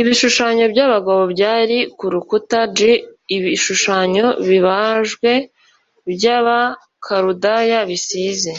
Ibishushanyo by abagabo byari ku rukuta j ibishushanyo bibajwe by abakaludaya bisize